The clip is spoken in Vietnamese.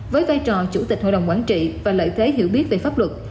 với vai trò chủ tịch hội đồng quản trị và lợi thế hiểu biết về pháp luật